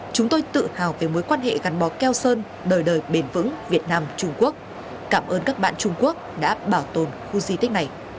chúng tôi tự hào về mối quan hệ gắn bó keo sơn đời đời bền vững việt nam trung quốc cảm ơn các bạn trung quốc đã bảo tồn khu di tích này